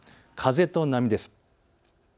風と波です。